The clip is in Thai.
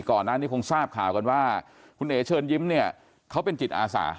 ก่อนหน้านี้คงทราบข่าวกันว่าคุณเอ๋เชิญยิ้มเนี่ยเขาเป็นจิตอาสา